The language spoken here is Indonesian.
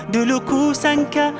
dulu ku sangka